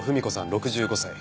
６５歳。